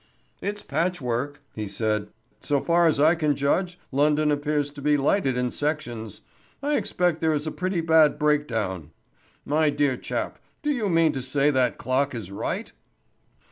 "It's patchwork," he said. "So far as I can judge, London appears to be lighted in sections. I expect there is a pretty bad breakdown. My dear chap, do you mean to say that clock is right?"